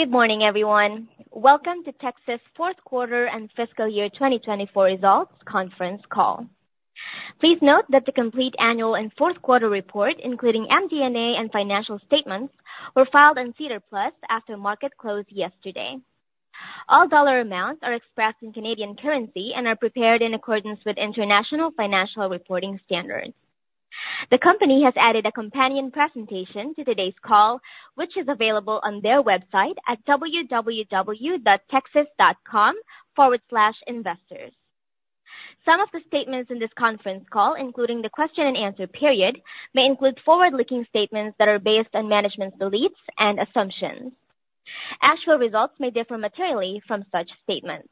Good morning, everyone. Welcome to Tecsys fourth quarter and fiscal year 2024 results conference call. Please note that the complete annual and fourth quarter report, including MD&A and financial statements, were filed in SEDAR+ after market close yesterday. All dollar amounts are expressed in Canadian currency and are prepared in accordance with International Financial Reporting Standards. The company has added a companion presentation to today's call, which is available on their website at www.tecsys.com/investors. Some of the statements in this conference call, including the question and answer period, may include forward-looking statements that are based on management's beliefs and assumptions. Actual results may differ materially from such statements.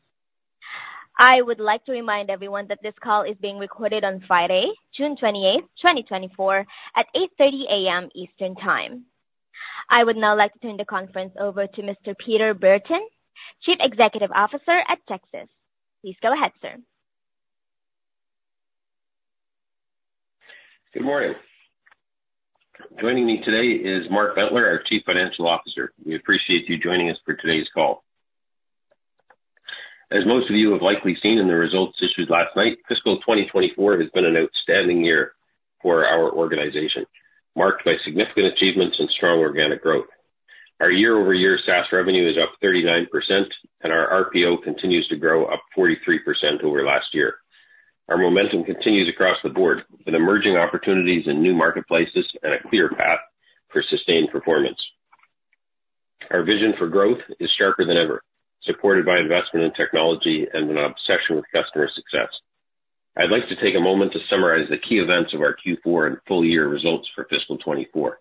I would like to remind everyone that this call is being recorded on Friday, June 28th, 2024, at 8:30 A.M. Eastern Time. I would now like to turn the conference over to Mr. Peter Brereton, Chief Executive Officer at Tecsys. Please go ahead, sir. Good morning. Joining me today is Mark Bentler, our Chief Financial Officer. We appreciate you joining us for today's call. As most of you have likely seen in the results issued last night, fiscal 2024 has been an outstanding year for our organization, marked by significant achievements and strong organic growth. Our year-over-year SaaS revenue is up 39%, and our RPO continues to grow up 43% over last year. Our momentum continues across the board with emerging opportunities in new marketplaces and a clear path for sustained performance. Our vision for growth is sharper than ever, supported by investment in technology and an obsession with customer success. I'd like to take a moment to summarize the key events of our Q4 and full-year results for fiscal 2024.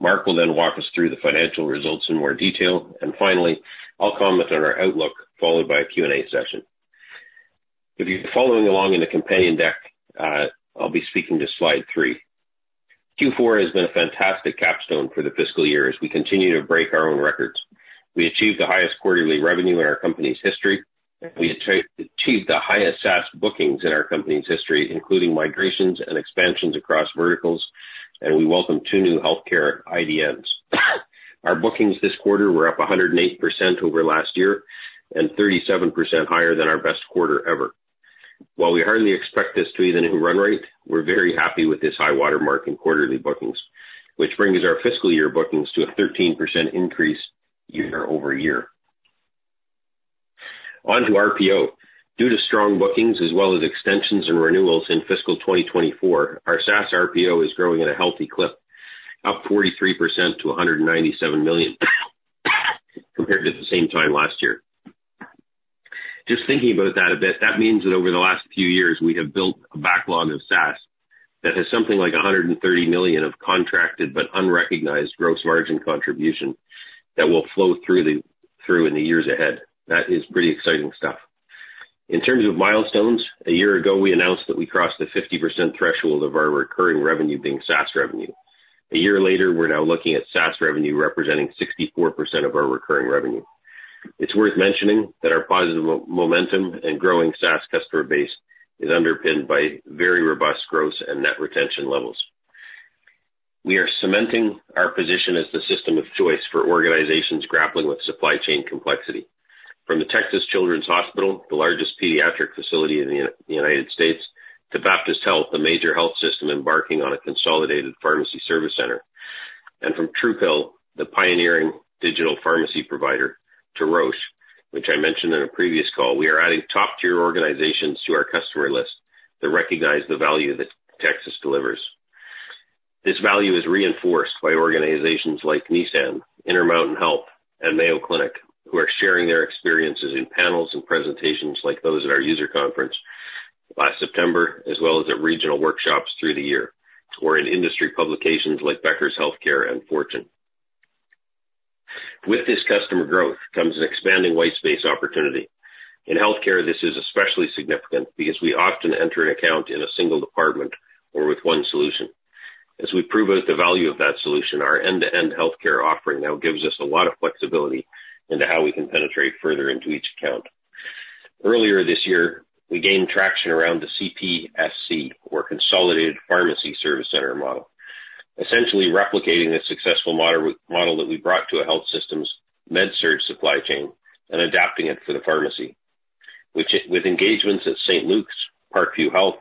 Mark will then walk us through the financial results in more detail, and finally, I'll comment on our outlook, followed by a Q&A session. If you're following along in the companion deck, I'll be speaking to slide three. Q4 has been a fantastic capstone for the fiscal year as we continue to break our own records. We achieved the highest quarterly revenue in our company's history, and we achieved the highest SaaS bookings in our company's history, including migrations and expansions across verticals, and we welcomed two new healthcare IDNs. Our bookings this quarter were up 108% over last year and 37% higher than our best quarter ever. While we hardly expect this to be the new run rate, we're very happy with this high watermark in quarterly bookings, which brings our fiscal year bookings to a 13% increase year-over-year. On to RPO. Due to strong bookings, as well as extensions and renewals in fiscal 2024, our SaaS RPO is growing at a healthy clip, up 43% to 197 million compared to the same time last year. Just thinking about that a bit, that means that over the last few years, we have built a backlog of SaaS that has something like 130 million of contracted but unrecognized gross margin contribution that will flow through in the years ahead. That is pretty exciting stuff. In terms of milestones, a year ago, we announced that we crossed the 50% threshold of our recurring revenue being SaaS revenue. A year later, we're now looking at SaaS revenue representing 64% of our recurring revenue. It's worth mentioning that our positive momentum and growing SaaS customer base is underpinned by very robust gross and net retention levels. We are cementing our position as the system of choice for organizations grappling with supply chain complexity. From the Texas Children’s Hospital, the largest pediatric facility in the United States, to Baptist Health, the major health system embarking on a consolidated pharmacy service center, and from Truepill, the pioneering digital pharmacy provider, to Roche, which I mentioned in a previous call, we are adding top-tier organizations to our customer list that recognize the value that Tecsys delivers. This value is reinforced by organizations like Nissan, Intermountain Health, and Mayo Clinic, who are sharing their experiences in panels and presentations like those at our user conference last September, as well as at regional workshops through the year, or in industry publications like Becker’s Hospital Review and Fortune. With this customer growth comes an expanding white space opportunity. In healthcare, this is especially significant because we often enter an account in a single department or with one solution. As we prove out the value of that solution, our end-to-end healthcare offering now gives us a lot of flexibility into how we can penetrate further into each account. Earlier this year, we gained traction around the CPSC, or Consolidated Pharmacy Service Center model, essentially replicating a successful model that we brought to a health system's Med-Surg supply chain and adapting it for the pharmacy. With engagements at St. Luke's, Parkview Health,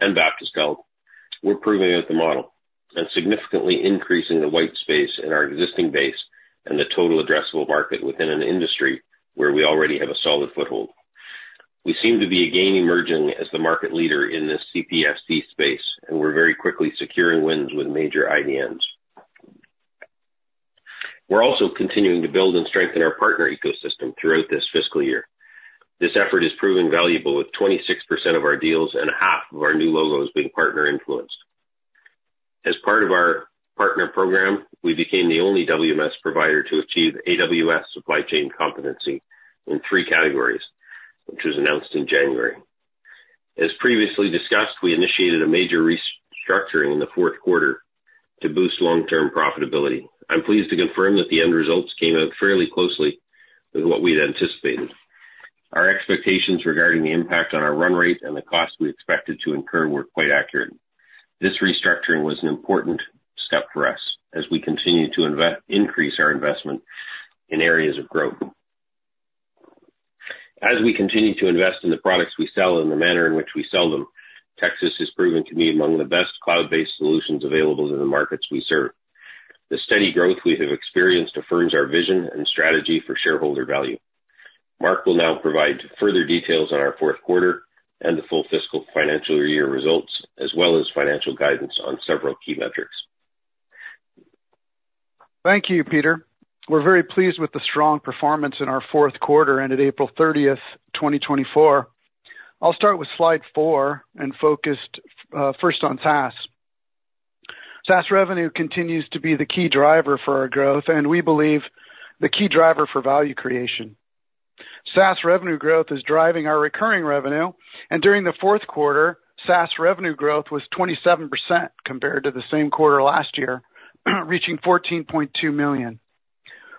and Baptist Health, we're proving out the model and significantly increasing the white space in our existing base and the total addressable market within an industry where we already have a solid foothold. We seem to be again emerging as the market leader in this CPSC space, and we're very quickly securing wins with major IDNs. We're also continuing to build and strengthen our partner ecosystem throughout this fiscal year. This effort is proving valuable, with 26% of our deals and half of our new logos being partner-influenced. As part of our partner program, we became the only WMS provider to achieve AWS Supply Chain Competency in three categories, which was announced in January. As previously discussed, we initiated a major restructuring in the fourth quarter to boost long-term profitability. I'm pleased to confirm that the end results came out fairly closely with what we had anticipated. Our expectations regarding the impact on our run rate and the cost we expected to incur were quite accurate. This restructuring was an important step for us as we continue to increase our investment in areas of growth. As we continue to invest in the products we sell and the manner in which we sell them, Tecsys has proven to be among the best cloud-based solutions available in the markets we serve. The steady growth we have experienced affirms our vision and strategy for shareholder value. Mark will now provide further details on our fourth quarter and the full fiscal financial year results, as well as financial guidance on several key metrics. Thank you, Peter. We're very pleased with the strong performance in our fourth quarter ended April 30, 2024. I'll start with slide four and focus first on SaaS. SaaS revenue continues to be the key driver for our growth, and we believe the key driver for value creation. SaaS revenue growth is driving our recurring revenue, and during the fourth quarter, SaaS revenue growth was 27% compared to the same quarter last year, reaching 14.2 million.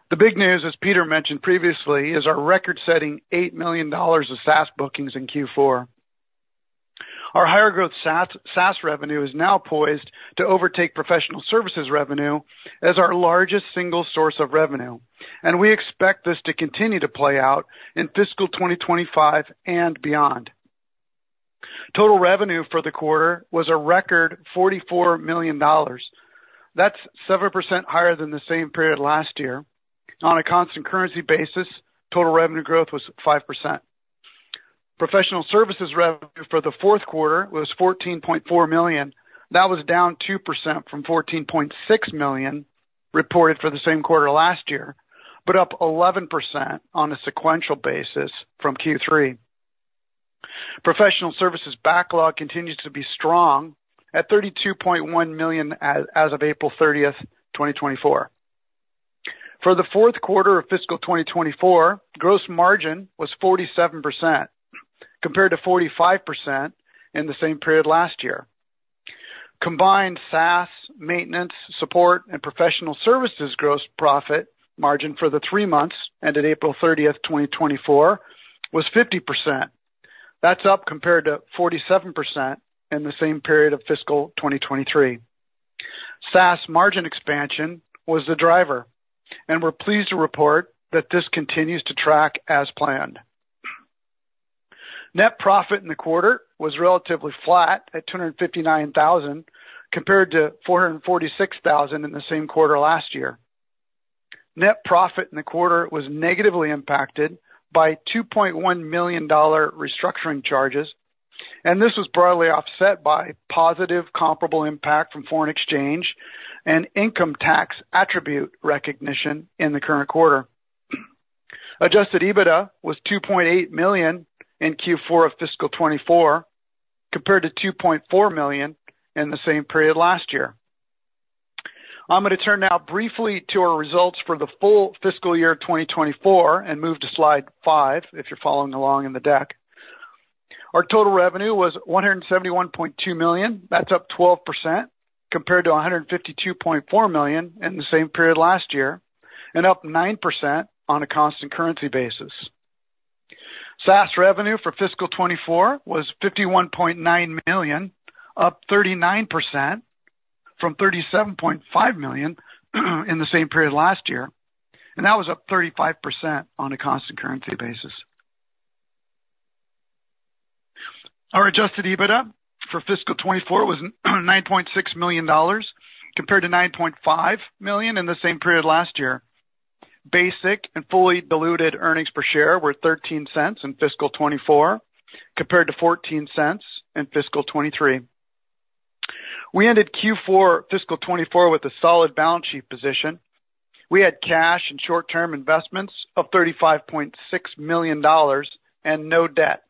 The big news, as Peter mentioned previously, is our record-setting 8 million dollars of SaaS bookings in Q4. Our higher growth SaaS revenue is now poised to overtake professional services revenue as our largest single source of revenue, and we expect this to continue to play out in fiscal 2025 and beyond. Total revenue for the quarter was a record 44 million dollars. That's 7% higher than the same period last year. On a constant currency basis, total revenue growth was 5%. Professional services revenue for the fourth quarter was 14.4 million. That was down 2% from 14.6 million reported for the same quarter last year, but up 11% on a sequential basis from Q3. Professional services backlog continues to be strong at 32.1 million as of April 30th, 2024. For the fourth quarter of fiscal 2024, gross margin was 47% compared to 45% in the same period last year. Combined SaaS maintenance support and professional services gross profit margin for the three months ended April 30th, 2024, was 50%. That's up compared to 47% in the same period of fiscal 2023. SaaS margin expansion was the driver, and we're pleased to report that this continues to track as planned. Net profit in the quarter was relatively flat at 259,000 compared to 446,000 in the same quarter last year. Net profit in the quarter was negatively impacted by 2.1 million dollar restructuring charges, and this was broadly offset by positive comparable impact from foreign exchange and income tax attribute recognition in the current quarter. Adjusted EBITDA was 2.8 million in Q4 of fiscal 2024 compared to 2.4 million in the same period last year. I'm going to turn now briefly to our results for the full fiscal year 2024 and move to slide five if you're following along in the deck. Our total revenue was 171.2 million. That's up 12% compared to 152.4 million in the same period last year and up 9% on a constant currency basis. SaaS revenue for fiscal 2024 was 51.9 million, up 39% from 37.5 million in the same period last year, and that was up 35% on a constant currency basis. Our adjusted EBITDA for fiscal 2024 was 9.6 million dollars compared to 9.5 million in the same period last year. Basic and fully diluted earnings per share were 0.13 in fiscal 2024 compared to 0.14 in fiscal 2023. We ended Q4 fiscal 2024 with a solid balance sheet position. We had cash and short-term investments of 35.6 million dollars and no debt.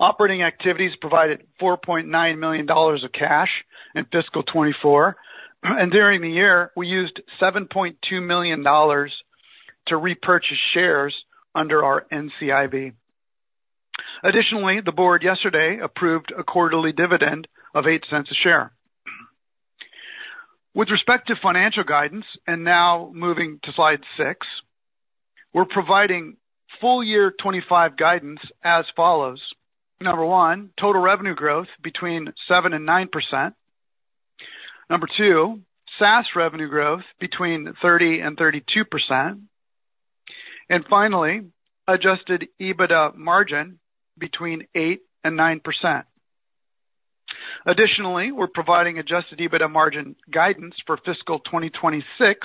Operating activities provided 4.9 million dollars of cash in fiscal 2024, and during the year, we used 7.2 million dollars to repurchase shares under our NCIB. Additionally, the board yesterday approved a quarterly dividend of 0.08 a share. With respect to financial guidance, and now moving to slide 6, we're providing full year 2025 guidance as follows. Number one, total revenue growth between 7% and 9%. Number two, SaaS revenue growth between 30% and 32%. And finally, adjusted EBITDA margin between 8% and 9%. Additionally, we're providing adjusted EBITDA margin guidance for fiscal 2026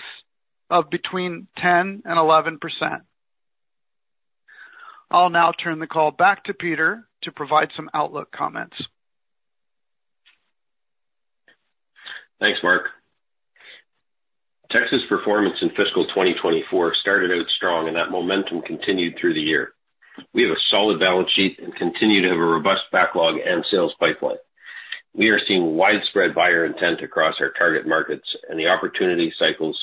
of between 10% and 11%. I'll now turn the call back to Peter to provide some outlook comments. Thanks, Mark. Tecsys performance in fiscal 2024 started out strong, and that momentum continued through the year. We have a solid balance sheet and continue to have a robust backlog and sales pipeline. We are seeing widespread buyer intent across our target markets, and the opportunity cycles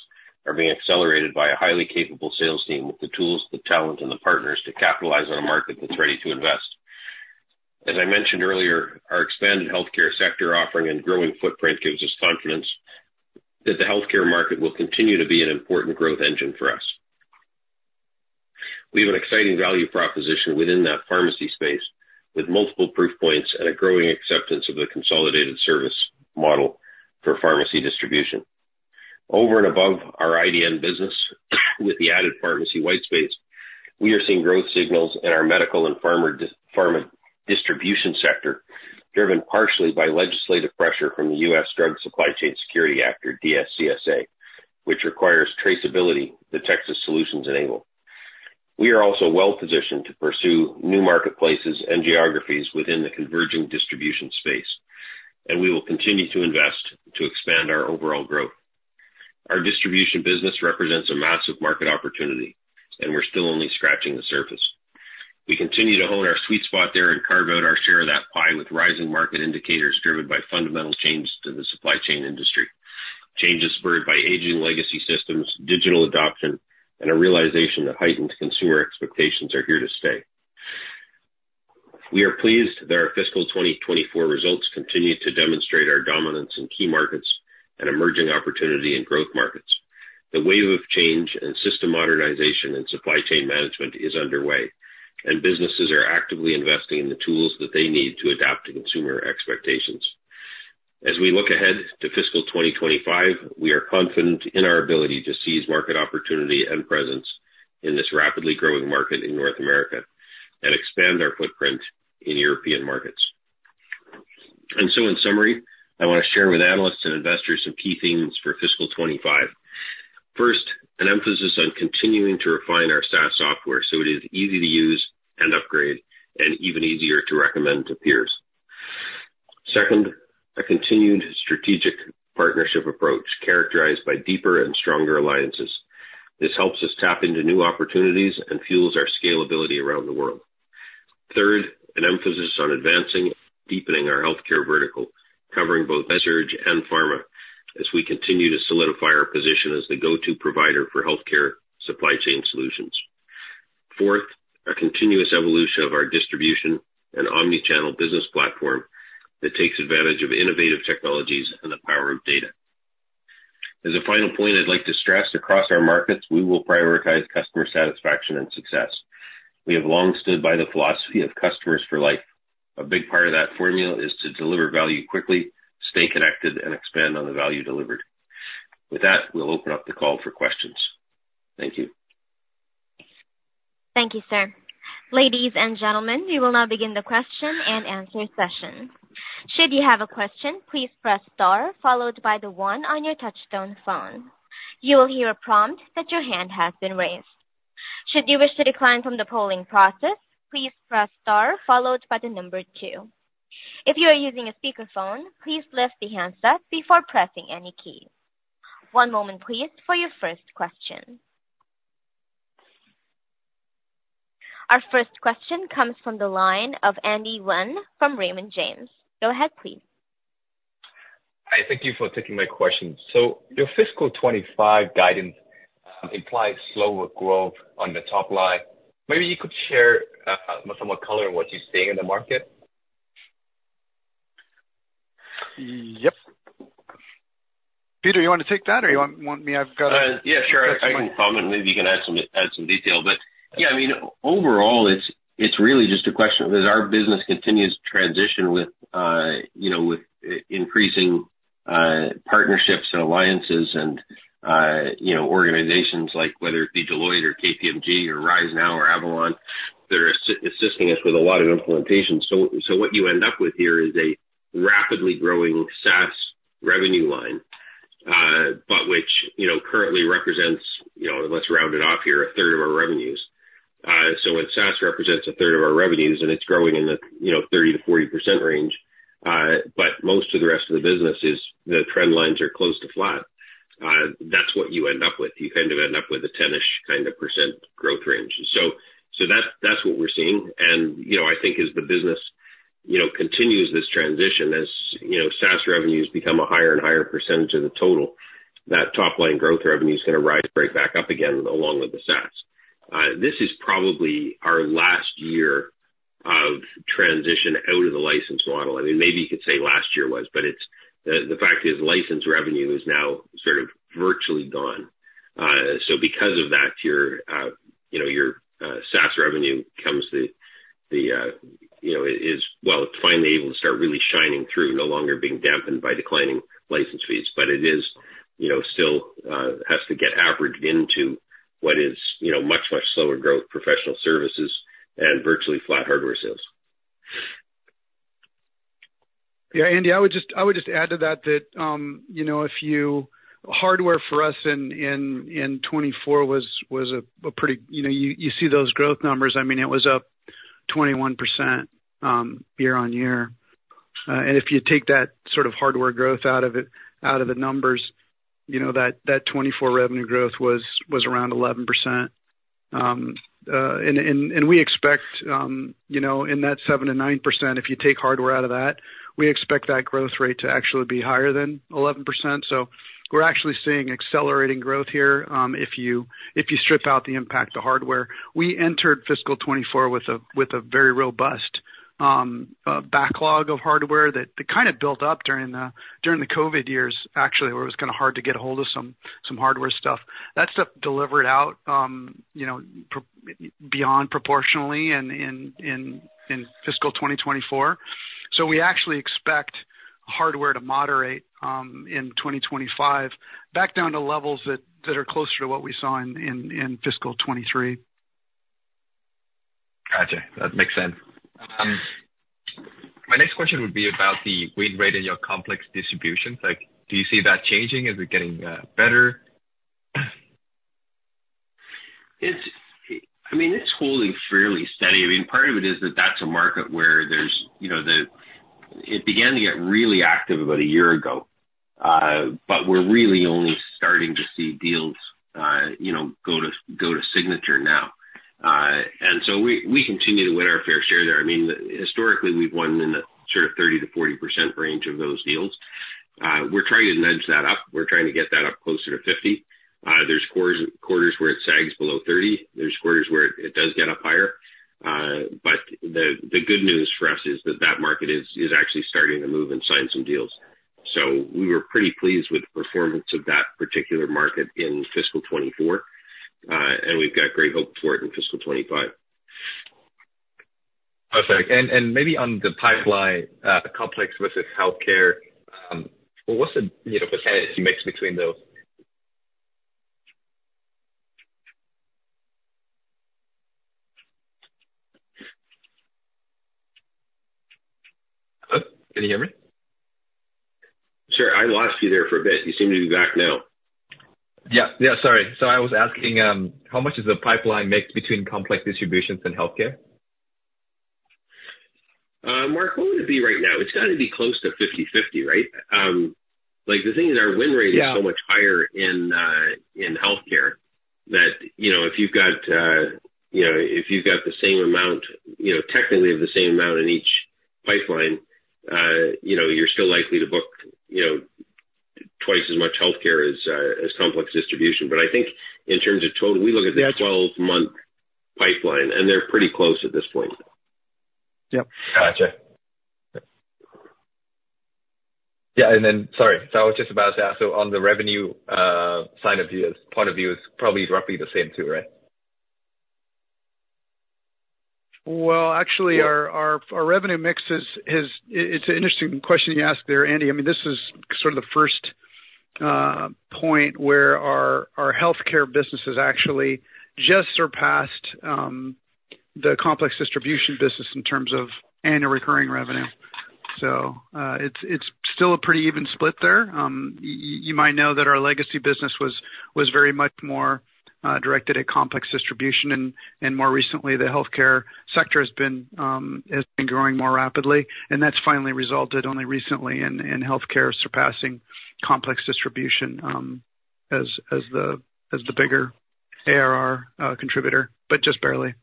are being accelerated by a highly capable sales team with the tools, the talent, and the partners to capitalize on a market that's ready to invest. As I mentioned earlier, our expanded healthcare sector offering and growing footprint gives us confidence that the healthcare market will continue to be an important growth engine for us. We have an exciting value proposition within that pharmacy space with multiple proof points and a growing acceptance of the consolidated service model for pharmacy distribution. Over and above our IDN business, with the added pharmacy white space, we are seeing growth signals in our medical and pharma distribution sector driven partially by legislative pressure from the U.S. Drug Supply Chain Security Act, or DSCSA, which requires traceability that Tecsys solutions enable. We are also well-positioned to pursue new marketplaces and geographies within the converging distribution space, and we will continue to invest to expand our overall growth. Our distribution business represents a massive market opportunity, and we're still only scratching the surface. We continue to hone our sweet spot there and carve out our share of that pie with rising market indicators driven by fundamental changes to the supply chain industry, changes spurred by aging legacy systems, digital adoption, and a realization that heightened consumer expectations are here to stay. We are pleased that our fiscal 2024 results continue to demonstrate our dominance in key markets and emerging opportunity in growth markets. The wave of change and system modernization in supply chain management is underway, and businesses are actively investing in the tools that they need to adapt to consumer expectations. As we look ahead to fiscal 2025, we are confident in our ability to seize market opportunity and presence in this rapidly growing market in North America and expand our footprint in European markets. And so, in summary, I want to share with analysts and investors some key things for fiscal 2025. First, an emphasis on continuing to refine our SaaS software so it is easy to use and upgrade and even easier to recommend to peers. Second, a continued strategic partnership approach characterized by deeper and stronger alliances. This helps us tap into new opportunities and fuels our scalability around the world. Third, an emphasis on advancing and deepening our healthcare vertical, covering both Med-Surg and pharma as we continue to solidify our position as the go-to provider for healthcare supply chain solutions. Fourth, a continuous evolution of our distribution and omnichannel business platform that takes advantage of innovative technologies and the power of data. As a final point, I'd like to stress across our markets, we will prioritize customer satisfaction and success. We have long stood by the philosophy of customers for life. A big part of that formula is to deliver value quickly, stay connected, and expand on the value delivered. With that, we'll open up the call for questions. Thank you. Thank you, sir. Ladies and gentlemen, we will now begin the question and answer session. Should you have a question, please press star followed by the one on your touch-tone phone. You will hear a prompt that your hand has been raised. Should you wish to decline from the polling process, please press star followed by the number two. If you are using a speakerphone, please lift the handset before pressing any key. One moment, please, for your first question. Our first question comes from the line of Andy Nguyen from Raymond James. Go ahead, please. Hi. Thank you for taking my question. So your fiscal 2025 guidance implies slower growth on the top line. Maybe you could share some more color on what you're seeing in the market? Yep. Peter, you want to take that or you want me? I've got a question. Yeah, sure. I can comment. Maybe you can add some detail. But yeah, I mean, overall, it's really just a question of, as our business continues to transition with increasing partnerships and alliances and organizations, like whether it be Deloitte or KPMG or RiseNow or Avalon, that are assisting us with a lot of implementation. So what you end up with here is a rapidly growing SaaS revenue line, but which currently represents, let's round it off here, 1/3 of our revenues. So when SaaS represents a third of our revenues and it's growing in the 30%-40% range, but most of the rest of the business, the trend lines are close to flat, that's what you end up with. You kind of end up with a 10%-ish kind of percent growth range. So that's what we're seeing. And I think as the business continues this transition, as SaaS revenues become a higher and higher percentage of the total, that top-line growth revenue is going to rise, break back up again along with the SaaS. This is probably our last year of transition out of the license model. I mean, maybe you could say last year was, but the fact is license revenue is now sort of virtually gone. So because of that, your SaaS revenue comes to the, well, it's finally able to start really shining through, no longer being dampened by declining license fees, but it still has to get averaged into what is much, much slower growth: professional services and virtually flat hardware sales. Yeah, Andy, I would just add to that that Q4 hardware for us in 2024 was a pretty—you see those growth numbers. I mean, it was up 21% year-on-year. And if you take that sort of hardware growth out of the numbers, that 2024 revenue growth was around 11%. And we expect in that 7%-9%, if you take hardware out of that, we expect that growth rate to actually be higher than 11%. So we're actually seeing accelerating growth here if you strip out the impact of hardware. We entered fiscal 2024 with a very robust backlog of hardware that kind of built up during the COVID years, actually, where it was kind of hard to get a hold of some hardware stuff. That stuff delivered out disproportionately in fiscal 2024. We actually expect hardware to moderate in 2025, back down to levels that are closer to what we saw in fiscal 2023. Gotcha. That makes sense. My next question would be about the win rate in your complex distributions. Do you see that changing? Is it getting better? I mean, it's holding fairly steady. I mean, part of it is that that's a market where it began to get really active about a year ago, but we're really only starting to see deals go to signature now. And so we continue to win our fair share there. I mean, historically, we've won in the sort of 30%-40% range of those deals. We're trying to nudge that up. We're trying to get that up closer to 50%. There's quarters where it sags below 30%. There's quarters where it does get up higher. But the good news for us is that that market is actually starting to move and sign some deals. So we were pretty pleased with the performance of that particular market in fiscal 2024, and we've got great hope for it in fiscal 2025. Perfect. And maybe on the pipeline, complex versus healthcare, what's the percentage mix between those? Hello? Can you hear me? Sure. I lost you there for a bit. You seem to be back now. Yeah. Yeah. Sorry. So I was asking how much is the pipeline mix between complex distributions and healthcare? Mark, what would it be right now? It's got to be close to 50/50, right? The thing is our win rate is so much higher in healthcare that if you've got—if you've got the same amount, technically of the same amount in each pipeline, you're still likely to book twice as much healthcare as complex distribution. But I think in terms of total, we look at the 12-month pipeline, and they're pretty close at this point. Yep. Gotcha. Yeah. And then, sorry, so I was just about to ask, so on the revenue side of view, point of view is probably roughly the same too, right? Well, actually, our revenue mix is, it's an interesting question you asked there, Andy. I mean, this is sort of the first point where our healthcare business has actually just surpassed the complex distribution business in terms of annual recurring revenue. So it's still a pretty even split there. You might know that our legacy business was very much more directed at complex distribution, and more recently, the healthcare sector has been growing more rapidly. And that's finally resulted only recently in healthcare surpassing complex distribution as the bigger ARR contributor, but just barely.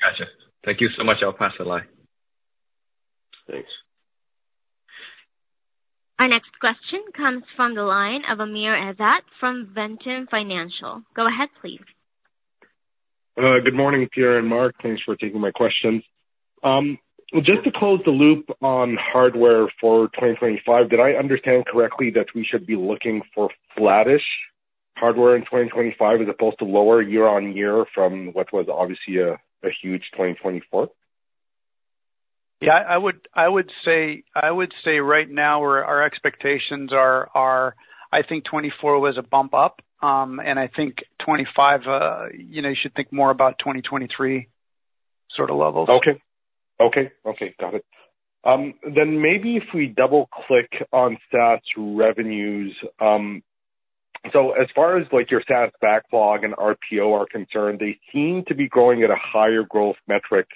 Gotcha. Thank you so much. I'll pass the line. Thanks. Our next question comes from the line of Amr Ezzat from Ventum Financial. Go ahead, please. Good morning, Peter and Mark. Thanks for taking my question. Just to close the loop on hardware for 2025, did I understand correctly that we should be looking for flattish hardware in 2025 as opposed to lower year-on-year from what was obviously a huge 2024? Yeah. I would say right now, our expectations are, I think 2024 was a bump up, and I think 2025, you should think more about 2023 sort of levels. Okay. Okay. Okay. Got it. Then maybe if we double-click on SaaS revenues, so as far as your SaaS backlog and RPO are concerned, they seem to be growing at a higher growth metric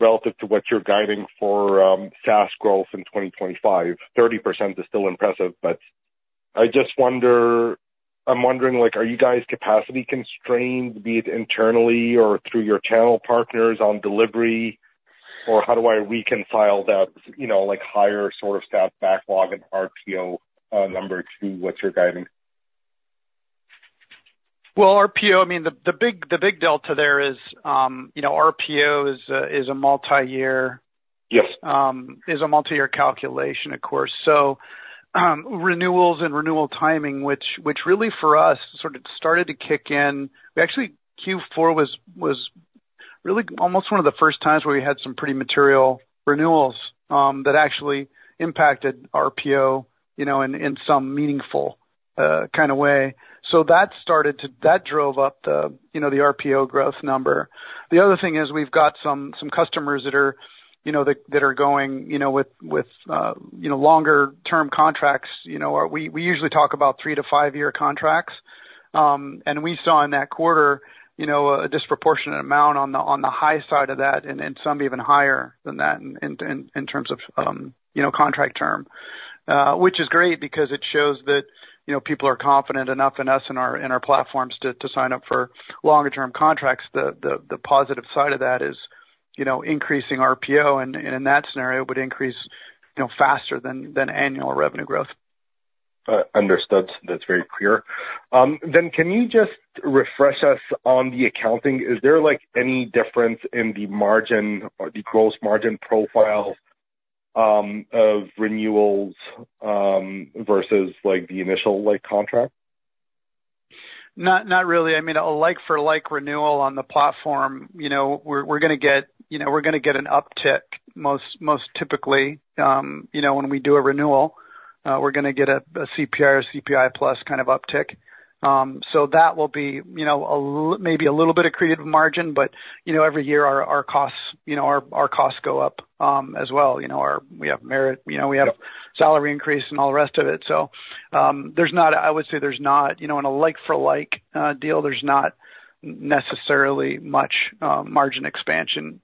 relative to what you're guiding for SaaS growth in 2025. 30% is still impressive, but I just wonder, I'm wondering, are you guys capacity constrained, be it internally or through your channel partners on delivery, or how do I reconcile that higher sort of SaaS backlog and RPO number to what you're guiding? Well, RPO, I mean, the big delta there is RPO is a multi-year calculation, of course. So renewals and renewal timing, which really for us sort of started to kick in. Actually, Q4 was really almost one of the first times where we had some pretty material renewals that actually impacted RPO in some meaningful kind of way. So that drove up the RPO growth number. The other thing is we've got some customers that are going with longer-term contracts. We usually talk about three- to five-year contracts, and we saw in that quarter a disproportionate amount on the high side of that and some even higher than that in terms of contract term, which is great because it shows that people are confident enough in us and our platforms to sign up for longer-term contracts. The positive side of that is increasing RPO, and in that scenario, it would increase faster than annual revenue growth. Understood. That's very clear. Then can you just refresh us on the accounting? Is there any difference in the margin or the gross margin profile of renewals versus the initial contract? Not really. I mean, a like-for-like renewal on the platform, we're going to get—we're going to get an uptick most typically when we do a renewal. We're going to get a CPI or CPI+ kind of uptick. So that will be maybe a little bit of creative margin, but every year our costs go up as well. We have merit. We have salary increase and all the rest of it. So I would say there's not—in a like-for-like deal, there's not necessarily much margin expansion.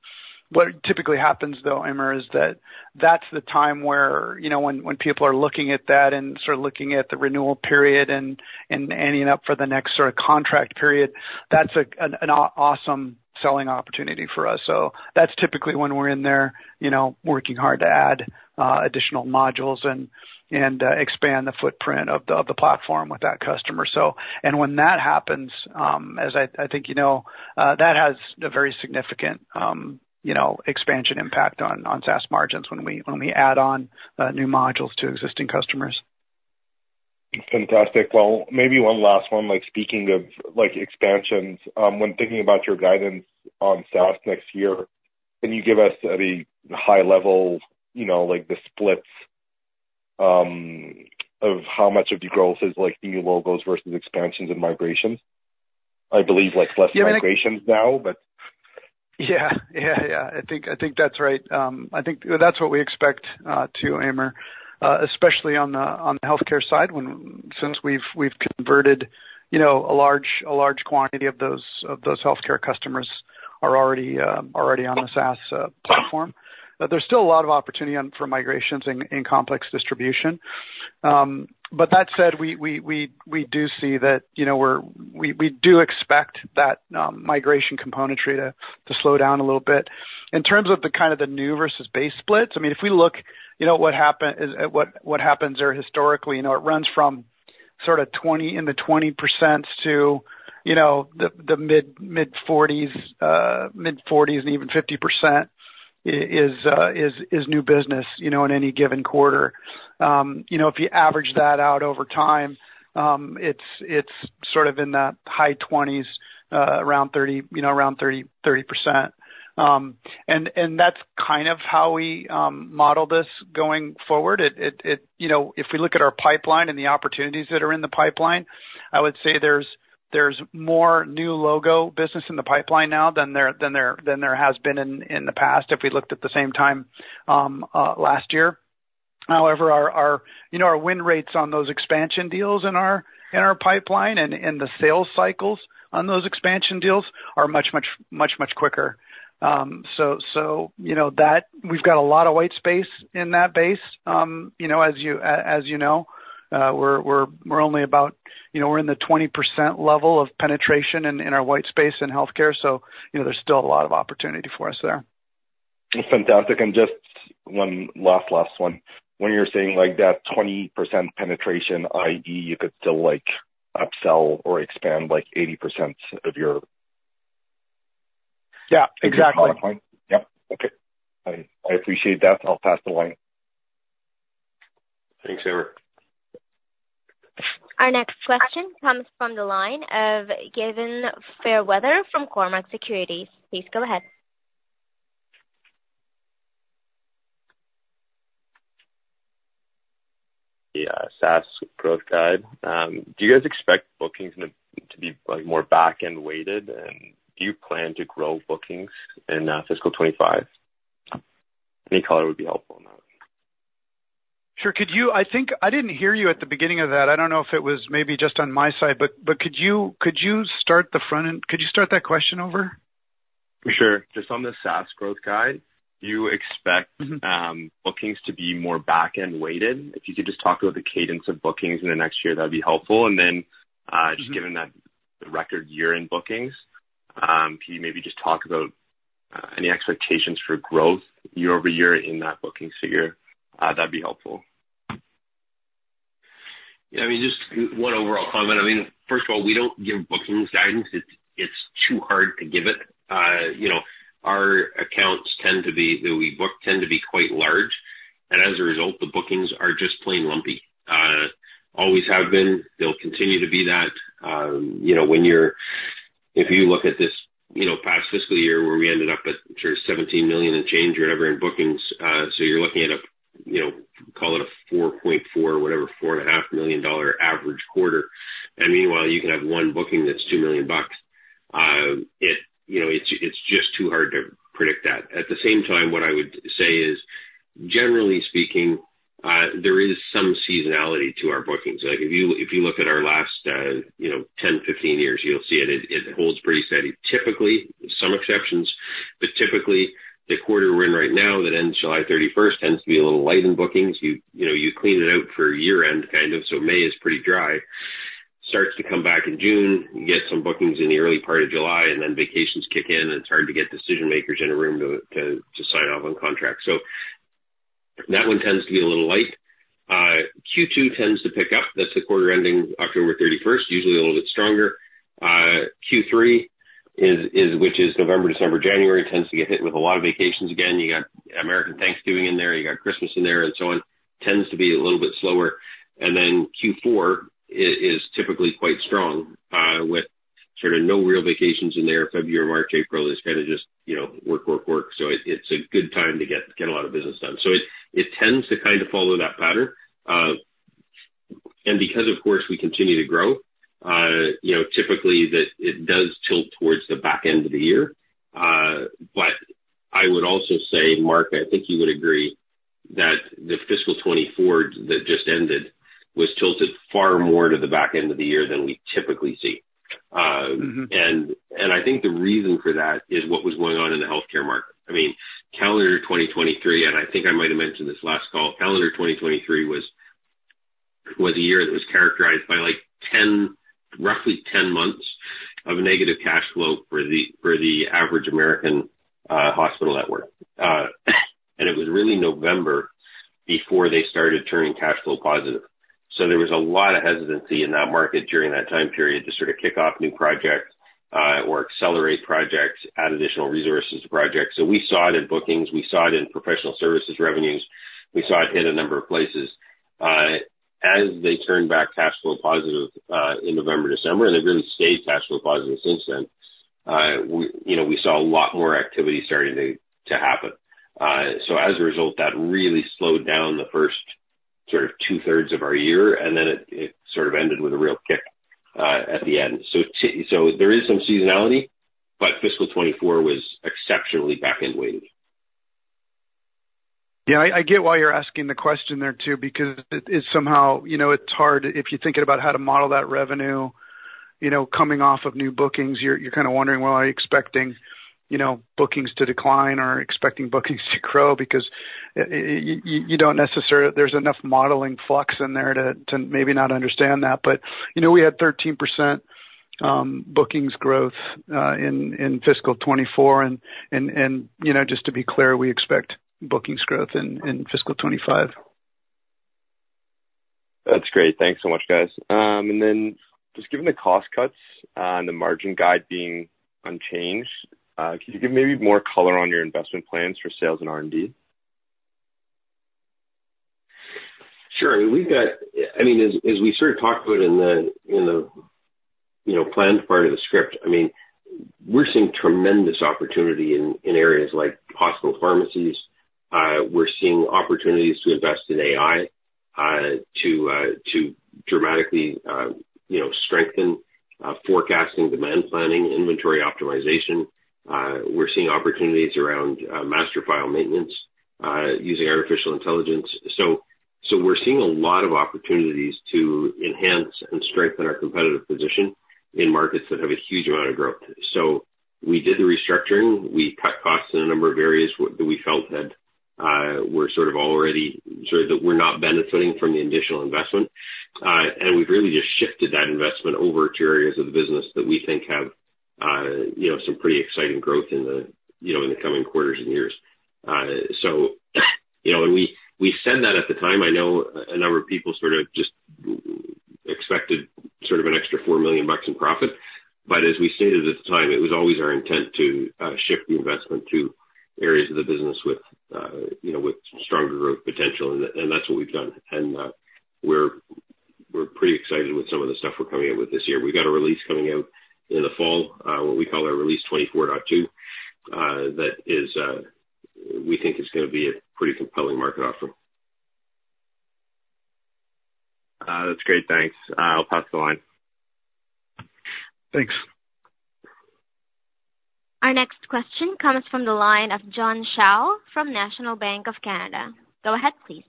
What typically happens, though, Amr, is that that's the time where when people are looking at that and sort of looking at the renewal period and ending up for the next sort of contract period, that's an awesome selling opportunity for us. So that's typically when we're in there working hard to add additional modules and expand the footprint of the platform with that customer. When that happens, as I think you know, that has a very significant expansion impact on SaaS margins when we add on new modules to existing customers. Fantastic. Well, maybe one last one. Speaking of expansions, when thinking about your guidance on SaaS next year, can you give us at a high level the splits of how much of the growth is new logos versus expansions and migrations? I believe less migrations now, but. Yeah. Yeah. Yeah. I think that's right. I think that's what we expect too, Amir, especially on the healthcare side since we've converted a large quantity of those healthcare customers are already on the SaaS platform. There's still a lot of opportunity for migrations in complex distribution. But that said, we do see that we do expect that migration componentry to slow down a little bit. In terms of kind of the new versus base splits, I mean, if we look at what happens there historically, it runs from sort of in the 20%s to the mid-40s, mid-40s, and even 50% is new business in any given quarter. If you average that out over time, it's sort of in the high 20s, around 30%. And that's kind of how we model this going forward. If we look at our pipeline and the opportunities that are in the pipeline, I would say there's more new logo business in the pipeline now than there has been in the past if we looked at the same time last year. However, our win rates on those expansion deals in our pipeline and the sales cycles on those expansion deals are much, much, much, much quicker. So we've got a lot of white space in that base. As you know, we're in the 20% level of penetration in our white space in healthcare. So there's still a lot of opportunity for us there. Fantastic. And just one last, last one. When you're saying that 20% penetration, i.e., you could still upsell or expand 80% of your. Yeah. Exactly. Pipeline? Yep. Okay. I appreciate that. I'll pass the line. Thanks, Amir. Our next question comes from the line of Gavin Fairweather from Cormark Securities. Please go ahead. The SaaS growth guidance. Do you guys expect bookings to be more back-end weighted? And do you plan to grow bookings in fiscal 2025? Any color would be helpful on that. Sure. I think I didn't hear you at the beginning of that. I don't know if it was maybe just on my side, but could you start the front end? Could you start that question over? Sure. Just on the SaaS growth guide, do you expect bookings to be more back-end weighted? If you could just talk about the cadence of bookings in the next year, that'd be helpful. And then just given that the record year in bookings, can you maybe just talk about any expectations for growth year over year in that bookings figure? That'd be helpful. Yeah. I mean, just one overall comment. I mean, first of all, we don't give bookings guidance. It's too hard to give it. Our accounts tend to be—we book tend to be quite large. And as a result, the bookings are just plain lumpy. Always have been. They'll continue to be that. If you look at this past fiscal year where we ended up at sort of 17 million and change or whatever in bookings, so you're looking at a—call it a 4.4, whatever, 4.5 million dollar average quarter. And meanwhile, you can have one booking that's 2 million bucks. It's just too hard to predict that. At the same time, what I would say is, generally speaking, there is some seasonality to our bookings. If you look at our last 10, 15 years, you'll see it. It holds pretty steady. Typically, with some exceptions, but typically, the quarter we're in right now that ends July 31st tends to be a little light in bookings. You clean it out for year-end kind of. So May is pretty dry. Starts to come back in June. You get some bookings in the early part of July, and then vacations kick in, and it's hard to get decision-makers in a room to sign off on contracts. So that one tends to be a little light. Q2 tends to pick up. That's the quarter ending October 31st, usually a little bit stronger. Q3, which is November, December, January, tends to get hit with a lot of vacations again. You got American Thanksgiving in there. You got Christmas in there and so on. Tends to be a little bit slower. And then Q4 is typically quite strong with sort of no real vacations in there. February, March, April is kind of just work, work, work. So it's a good time to get a lot of business done. So it tends to kind of follow that pattern. And because, of course, we continue to grow, typically, it does tilt towards the back end of the year. But I would also say, Mark, I think you would agree that the fiscal 2024 that just ended was tilted far more to the back end of the year than we typically see. And I think the reason for that is what was going on in the healthcare market. I mean, calendar 2023, and I think I might have mentioned this last call, calendar 2023 was a year that was characterized by roughly 10 months of negative cash flow for the average American hospital network. And it was really November before they started turning cash flow positive. So there was a lot of hesitancy in that market during that time period to sort of kick off new projects or accelerate projects, add additional resources to projects. So we saw it in bookings. We saw it in professional services revenues. We saw it hit a number of places. As they turned back cash flow positive in November, December, and they really stayed cash flow positive since then, we saw a lot more activity starting to happen. So as a result, that really slowed down the first sort of two-thirds of our year, and then it sort of ended with a real kick at the end. So there is some seasonality, but fiscal 2024 was exceptionally back-end weighted. Yeah. I get why you're asking the question there too because it's somehow, it's hard if you're thinking about how to model that revenue coming off of new bookings. You're kind of wondering, "Well, are you expecting bookings to decline or expecting bookings to grow?" Because there's enough modeling flux in there to maybe not understand that. But we had 13% bookings growth in fiscal 2024. And just to be clear, we expect bookings growth in fiscal 2025. That's great. Thanks so much, guys. And then just given the cost cuts and the margin guide being unchanged, can you give maybe more color on your investment plans for sales and R&D? Sure. I mean, as we sort of talked about in the planned part of the script, I mean, we're seeing tremendous opportunity in areas like hospital pharmacies. We're seeing opportunities to invest in AI to dramatically strengthen forecasting, demand planning, inventory optimization. We're seeing opportunities around master file maintenance using artificial intelligence. So we're seeing a lot of opportunities to enhance and strengthen our competitive position in markets that have a huge amount of growth. So we did the restructuring. We cut costs in a number of areas that we felt were sort of already, sort of that we're not benefiting from the additional investment. And we've really just shifted that investment over to areas of the business that we think have some pretty exciting growth in the coming quarters and years. So we said that at the time. I know a number of people sort of just expected sort of an extra 4 million bucks in profit. But as we stated at the time, it was always our intent to shift the investment to areas of the business with stronger growth potential. That's what we've done. We're pretty excited with some of the stuff we're coming out with this year. We've got a release coming out in the fall, what we call our release 24.2, that we think is going to be a pretty compelling market offering. That's great. Thanks. I'll pass the line. Thanks. Our next question comes from the line of John Shao from National Bank of Canada. Go ahead, please.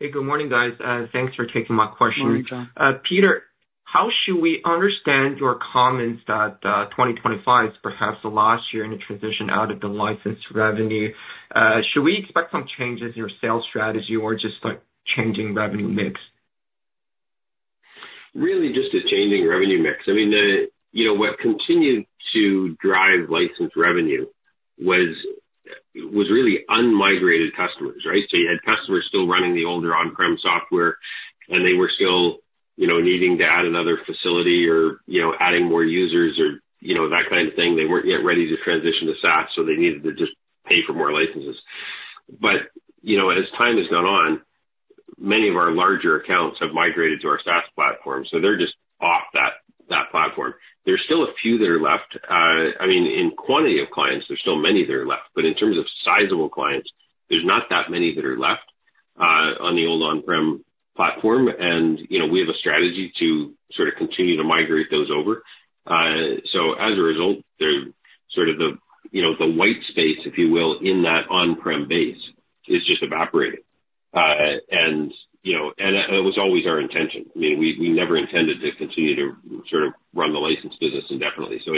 Hey, good morning, guys. Thanks for taking my question. Morning, John. Peter, how should we understand your comments that 2025 is perhaps the last year in the transition out of the licensed revenue? Should we expect some changes in your sales strategy or just changing revenue mix? Really, just a changing revenue mix. I mean, what continued to drive licensed revenue was really unmigrated customers, right? So you had customers still running the older on-prem software, and they were still needing to add another facility or adding more users or that kind of thing. They weren't yet ready to transition to SaaS, so they needed to just pay for more licenses. But as time has gone on, many of our larger accounts have migrated to our SaaS platform, so they're just off that platform. There's still a few that are left. I mean, in quantity of clients, there's still many that are left. But in terms of sizable clients, there's not that many that are left on the old on-prem platform. And we have a strategy to sort of continue to migrate those over. So as a result, sort of the white space, if you will, in that on-prem base is just evaporating. And it was always our intention. I mean, we never intended to continue to sort of run the licensed business indefinitely. So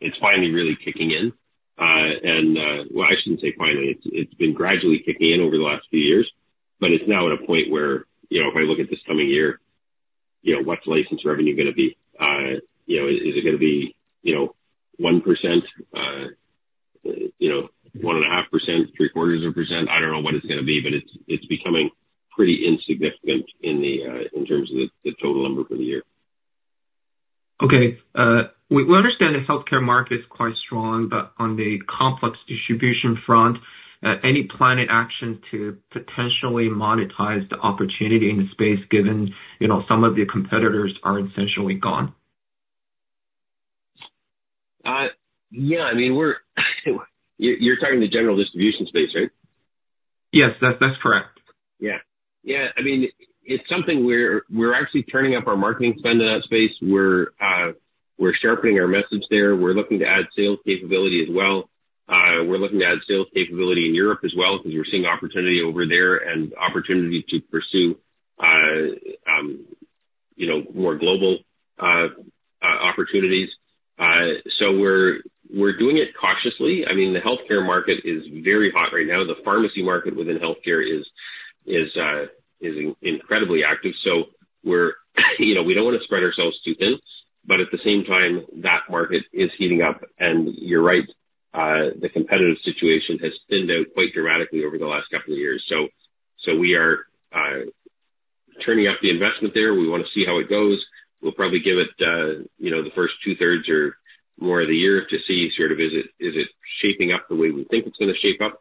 it's finally really kicking in. And well, I shouldn't say finally. It's been gradually kicking in over the last few years, but it's now at a point where if I look at this coming year, what's licensed revenue going to be? Is it going to be 1%, 1.5%, 0.75%? I don't know what it's going to be, but it's becoming pretty insignificant in terms of the total number for the year. Okay. We understand the healthcare market is quite strong, but on the complex distribution front, any planning action to potentially monetize the opportunity in the space given some of your competitors are essentially gone? Yeah. I mean, you're talking the general distribution space, right? Yes, that's correct. Yeah. Yeah. I mean, it's something we're actually turning up our marketing spend in that space. We're sharpening our message there. We're looking to add sales capability as well. We're looking to add sales capability in Europe as well because we're seeing opportunity over there and opportunity to pursue more global opportunities. So we're doing it cautiously. I mean, the healthcare market is very hot right now. The pharmacy market within healthcare is incredibly active. So we don't want to spread ourselves too thin. But at the same time, that market is heating up. And you're right, the competitive situation has thinned out quite dramatically over the last couple of years. So we are turning up the investment there. We want to see how it goes. We'll probably give it the first two-thirds or more of the year to see sort of is it shaping up the way we think it's going to shape up?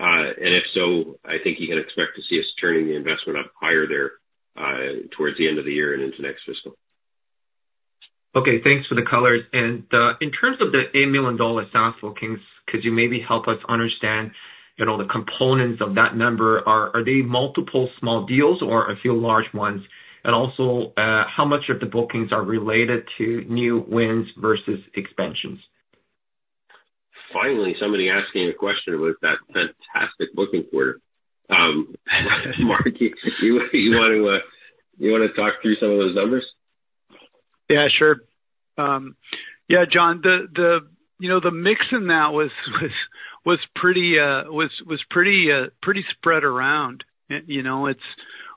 And if so, I think you can expect to see us turning the investment up higher there towards the end of the year and into next fiscal. Okay. Thanks for the colors. And in terms of the 8 million dollar SaaS bookings, could you maybe help us understand the components of that number? Are they multiple small deals or a few large ones? And also, how much of the bookings are related to new wins versus expansions? Finally, somebody asking a question about that fantastic booking quarter. Mark, you want to talk through some of those numbers? Yeah, sure. Yeah, John, the mix in that was pretty spread around.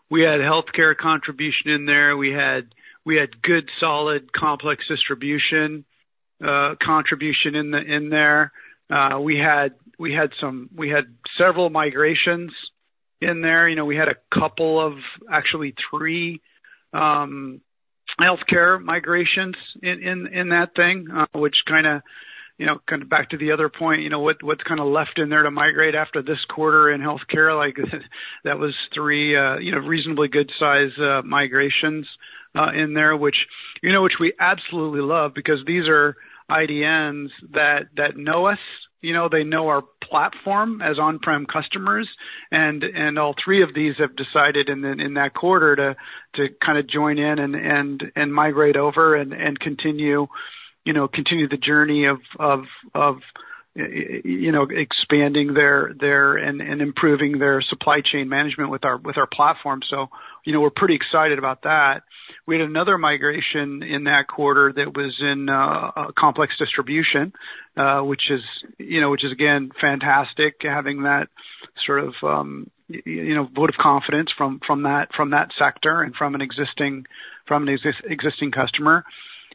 We had healthcare contribution in there. We had good solid complex distribution contribution in there. We had several migrations in there. We had a couple of, actually three, healthcare migrations in that thing, which kind of back to the other point, what's kind of left in there to migrate after this quarter in healthcare? That was three reasonably good-sized migrations in there, which we absolutely love because these are IDNs that know us. They know our platform as on-prem customers. And all three of these have decided in that quarter to kind of join in and migrate over and continue the journey of expanding and improving their supply chain management with our platform. So we're pretty excited about that. We had another migration in that quarter that was in complex distribution, which is, again, fantastic having that sort of vote of confidence from that sector and from an existing customer.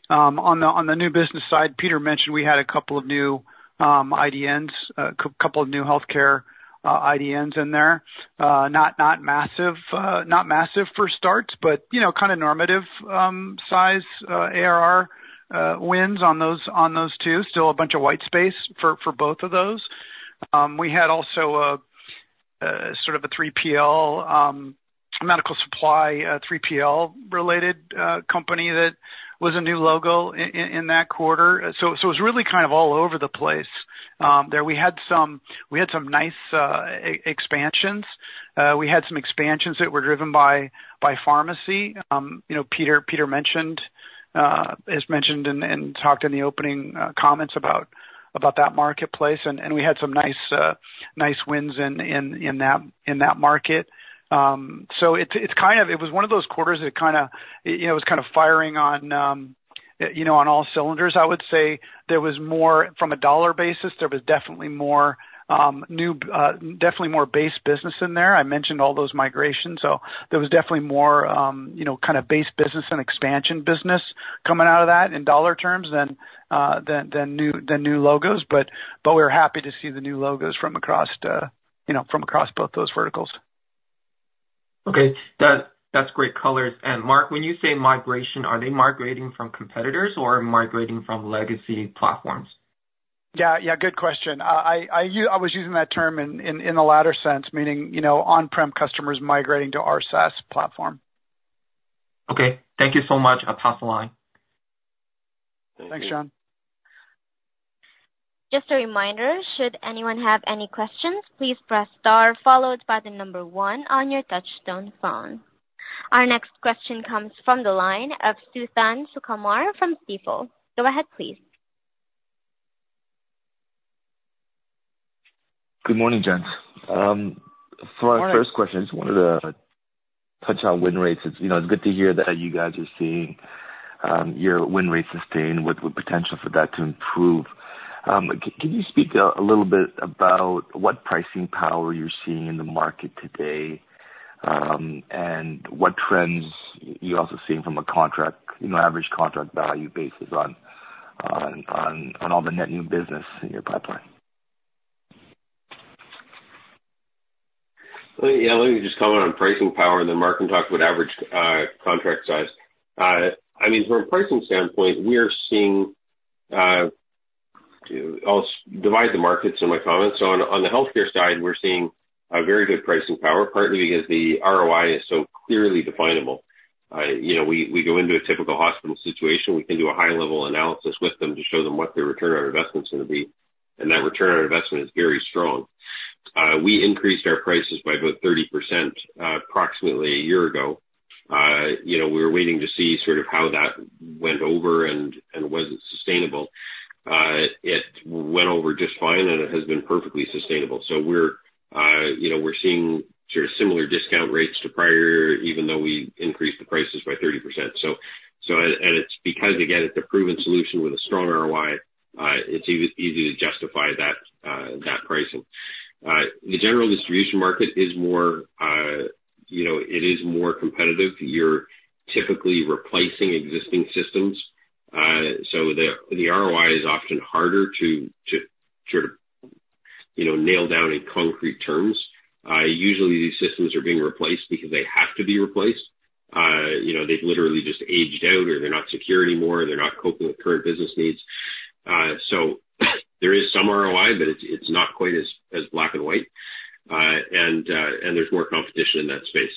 On the new business side, Peter mentioned we had a couple of new IDNs, a couple of new healthcare IDNs in there. Not massive for starts, but kind of normative-sized ARR wins on those two. Still a bunch of white space for both of those. We had also sort of a 3PL, medical supply 3PL-related company that was a new logo in that quarter. So it was really kind of all over the place there. We had some nice expansions. We had some expansions that were driven by pharmacy. Peter mentioned and talked in the opening comments about that marketplace. We had some nice wins in that market. So it was one of those quarters that kind of it was kind of firing on all cylinders, I would say. There was more from a dollar basis. There was definitely more new, definitely more base business in there. I mentioned all those migrations. So there was definitely more kind of base business and expansion business coming out of that in dollar terms than new logos. But we were happy to see the new logos from across both those verticals. Okay. That's great colors. And Mark, when you say migration, are they migrating from competitors or migrating from legacy platforms? Yeah. Yeah. Good question. I was using that term in the latter sense, meaning on-prem customers migrating to our SaaS platform. Okay. Thank you so much. I'll pass the line. Thank you. Thanks, John. Just a reminder, should anyone have any questions, please press star followed by the number one on your touch-tone phone. Our next question comes from the line of Suthan Sukumar from Stifel. Go ahead, please. Good morning, Gentlemen. For our first question, I just wanted to touch on win rates. It's good to hear that you guys are seeing your win rates sustained with potential for that to improve. Can you speak a little bit about what pricing power you're seeing in the market today and what trends you're also seeing from an average contract value basis on all the net new business in your pipeline? Yeah. Let me just comment on pricing power and then Mark can talk about average contract size. I mean, from a pricing standpoint, we are seeing. I'll divide the markets in my comments. So on the healthcare side, we're seeing very good pricing power, partly because the ROI is so clearly definable. We go into a typical hospital situation. We can do a high-level analysis with them to show them what their return on investment is going to be. And that return on investment is very strong. We increased our prices by about 30% approximately a year ago. We were waiting to see sort of how that went over and was it sustainable. It went over just fine, and it has been perfectly sustainable. So we're seeing sort of similar discount rates to prior, even though we increased the prices by 30%. It's because, again, it's a proven solution with a strong ROI. It's easy to justify that pricing. The general distribution market is more competitive. You're typically replacing existing systems. So the ROI is often harder to sort of nail down in concrete terms. Usually, these systems are being replaced because they have to be replaced. They've literally just aged out, or they're not secure anymore, or they're not coping with current business needs. So there is some ROI, but it's not quite as black and white. And there's more competition in that space.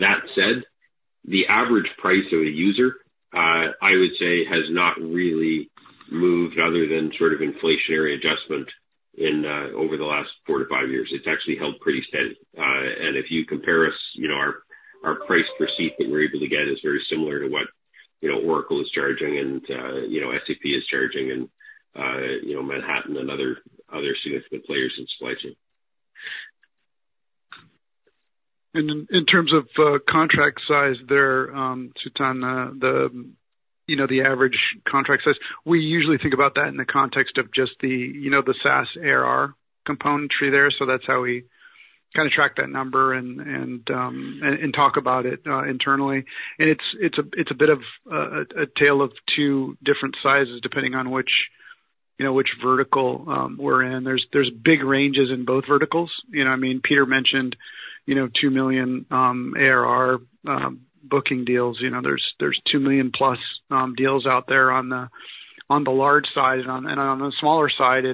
That said, the average price of a user, I would say, has not really moved other than sort of inflationary adjustment over the last four to five years. It's actually held pretty steady. If you compare us, our price per seat that we're able to get is very similar to what Oracle is charging and SAP is charging and Manhattan and other significant players in supply chain. In terms of contract size there, Suthan, the average contract size, we usually think about that in the context of just the SaaS ARR componentry there. So that's how we kind of track that number and talk about it internally. It's a bit of a tale of two different sizes depending on which vertical we're in. There's big ranges in both verticals. I mean, Peter mentioned $2 million ARR booking deals. There's $2 million-plus deals out there on the large side. On the smaller side,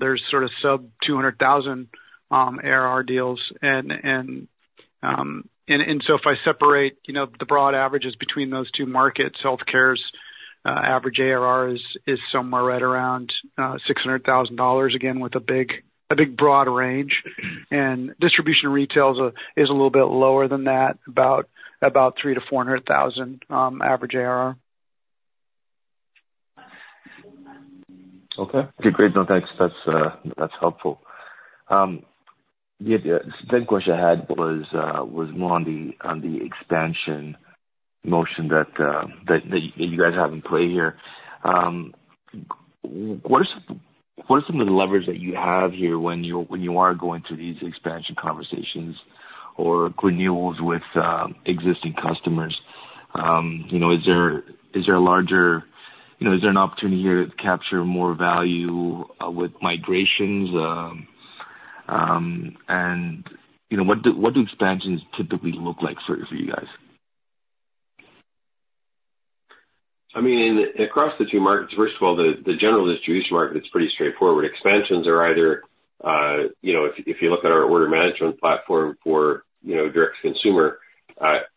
there's sort of sub-$200,000 ARR deals. So if I separate the broad averages between those two markets, healthcare's average ARR is somewhere right around $600,000, again, with a big broad range. Distribution retail is a little bit lower than that, about $300,000-$400,000 average ARR. Okay. Okay. Great. No, thanks. That's helpful. The second question I had was more on the expansion motion that you guys have in play here. What are some of the levers that you have here when you are going through these expansion conversations or renewals with existing customers? Is there an opportunity here to capture more value with migrations? And what do expansions typically look like for you guys? I mean, across the two markets, first of all, the general distribution market, it's pretty straightforward. Expansions are either - if you look at our order management platform for direct-to-consumer,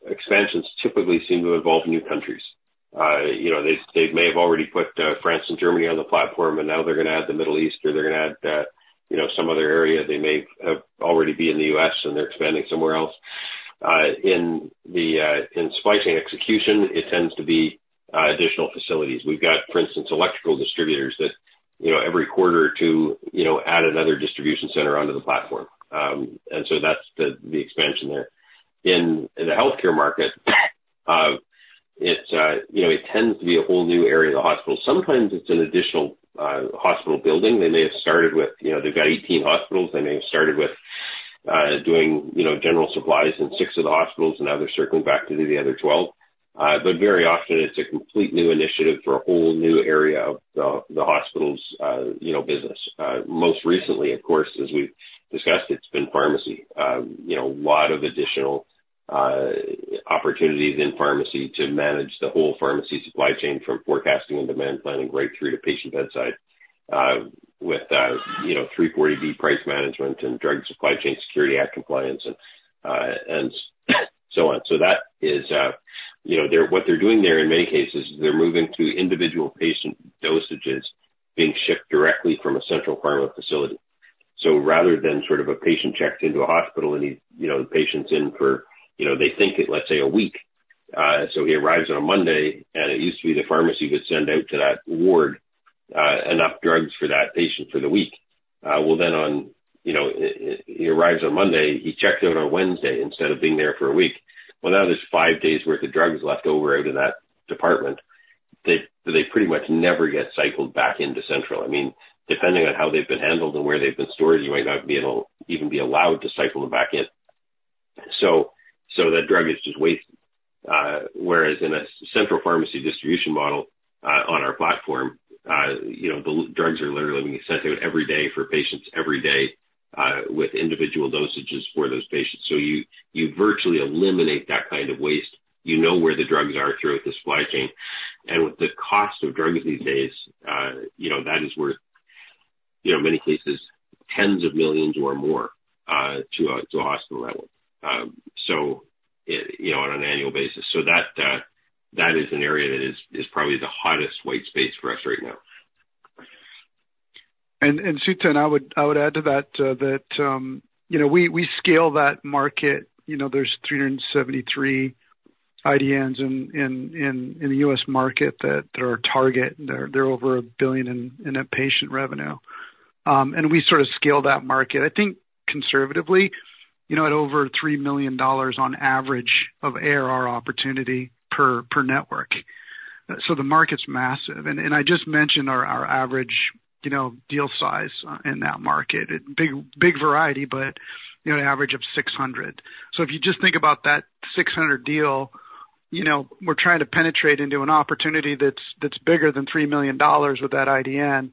expansions typically seem to involve new countries. They may have already put France and Germany on the platform, and now they're going to add the Middle East, or they're going to add some other area. They may already be in the U.S., and they're expanding somewhere else. In supply chain execution, it tends to be additional facilities. We've got, for instance, electrical distributors that every quarter or two add another distribution center onto the platform. And so that's the expansion there. In the healthcare market, it tends to be a whole new area of the hospital. Sometimes it's an additional hospital building. They may have started with - they've got 18 hospitals. They may have started with doing general supplies in 6 of the hospitals, and now they're circling back to do the other 12. But very often, it's a complete new initiative for a whole new area of the hospital's business. Most recently, of course, as we've discussed, it's been pharmacy. A lot of additional opportunities in pharmacy to manage the whole pharmacy supply chain from forecasting and demand planning right through to patient bedside with 340B price management and Drug Supply Chain Security Act compliance and so on. So that is what they're doing there in many cases. They're moving to individual patient dosages being shipped directly from a central pharma facility. So rather than sort of a patient checks into a hospital and the patient's in for, they think, let's say, a week. So he arrives on a Monday, and it used to be the pharmacy would send out to that ward enough drugs for that patient for the week. Well, then on he arrives on Monday, he checks out on Wednesday instead of being there for a week. Well, now there's five days' worth of drugs left over out in that department. They pretty much never get cycled back into central. I mean, depending on how they've been handled and where they've been stored, you might not be able to even be allowed to cycle them back in. So that drug is just wasted. Whereas in a central pharmacy distribution model on our platform, the drugs are literally being sent out every day for patients every day with individual dosages for those patients. So you virtually eliminate that kind of waste. You know where the drugs are throughout the supply chain. With the cost of drugs these days, that is worth, in many cases, $10s of millions or more to a hospital network on an annual basis. That is an area that is probably the hottest white space for us right now. Suthan, I would add to that that we scale that market. There's 373 IDNs in the U.S. market that are target. They're over $1 billion in patient revenue. And we sort of scale that market, I think, conservatively at over $3 million on average of ARR opportunity per network. So the market's massive. And I just mentioned our average deal size in that market. Big variety, but an average of $600,000. So if you just think about that $600,000 deal, we're trying to penetrate into an opportunity that's bigger than $3 million with that IDN.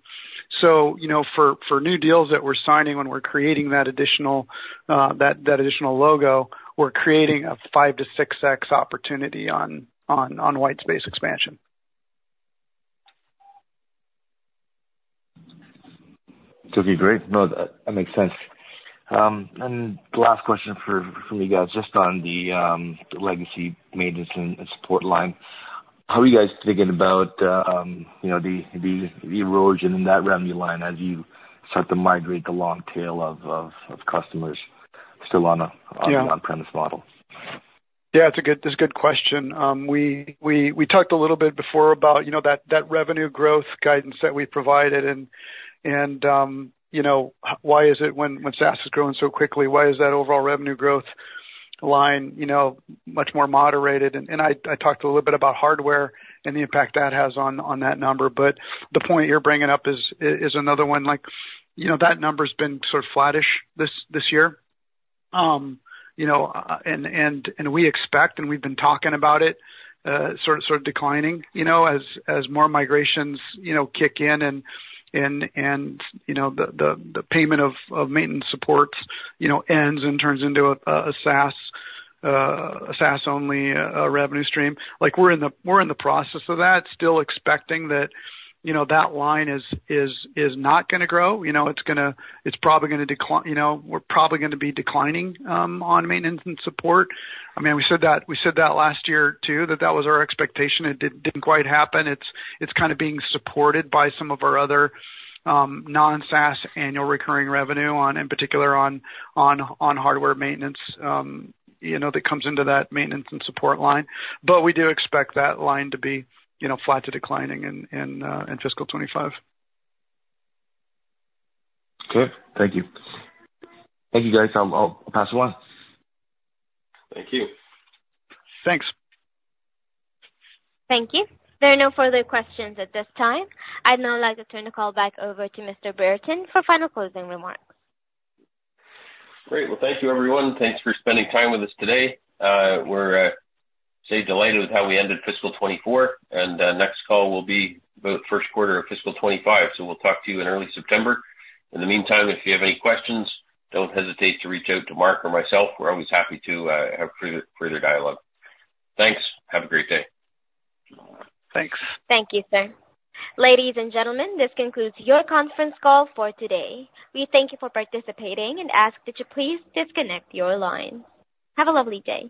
So for new deals that we're signing when we're creating that additional logo, we're creating a 5x-6x opportunity on white space expansion. Okay. Great. No, that makes sense. And the last question for you guys, just on the legacy maintenance and support line. How are you guys thinking about the erosion in that revenue line as you start to migrate the long tail of customers still on an on-premises model? Yeah. It's a good question. We talked a little bit before about that revenue growth guidance that we provided. Why is it when SaaS is growing so quickly, why is that overall revenue growth line much more moderated? I talked a little bit about hardware and the impact that has on that number. But the point you're bringing up is another one. That number's been sort of flattish this year. We expect, and we've been talking about it, sort of declining as more migrations kick in and the payment of maintenance support ends and turns into a SaaS-only revenue stream. We're in the process of that, still expecting that that line is not going to grow. It's probably going to decline. We're probably going to be declining on maintenance and support. I mean, we said that last year too, that that was our expectation. It didn't quite happen. It's kind of being supported by some of our other non-SaaS annual recurring revenue, in particular on hardware maintenance that comes into that maintenance and support line. But we do expect that line to be flat to declining in fiscal 2025. Good. Thank you. Thank you, guys. I'll pass it on. Thank you. Thanks. Thank you. There are no further questions at this time. I'd now like to turn the call back over to Mr. Brereton for final closing remarks. Great. Well, thank you, everyone. Thanks for spending time with us today. We're staying delighted with how we ended fiscal 2024. Next call will be about the first quarter of fiscal 2025. We'll talk to you in early September. In the meantime, if you have any questions, don't hesitate to reach out to Mark or myself. We're always happy to have further dialogue. Thanks. Have a great day. Thanks. Thank you, sir. Ladies and gentlemen, this concludes your conference call for today. We thank you for participating and ask that you please disconnect your line. Have a lovely day.